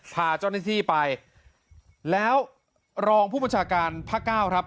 พาเจ้าหน้าที่ไปแล้วรองผู้บัญชาการภาคเก้าครับ